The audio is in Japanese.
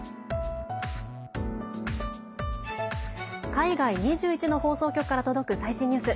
海外２１の放送局から届く最新ニュース。